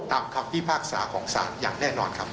คำพิพากษาของศาลอย่างแน่นอนครับ